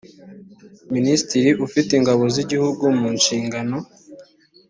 minisitiri ufite ingabo z’igihugu mu nshingano